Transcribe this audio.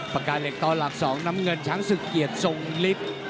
ปากกาเหล็กต่อหลัก๒น้ำเงินช้างศึกเกียรติทรงฤทธิ์